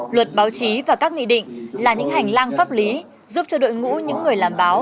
luật báo chí và các nghị định là những hành lang pháp lý giúp cho đội ngũ những người làm báo